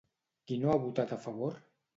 Qui no ha votat a favor?